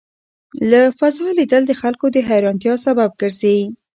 له فضا لیدل د خلکو د حېرانتیا سبب ګرځي.